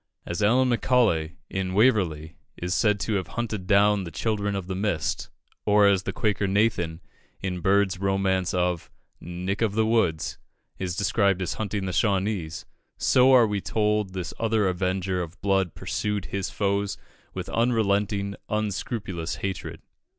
As Allan Macaulay, in "Waverley," is said to have hunted down the Children of the Mist, or as the Quaker Nathan, in Bird's romance of "Nick of the Woods," is described as hunting the Shawnese, so we are told this other avenger of blood pursued his foes with unrelenting, unscrupulous hatred.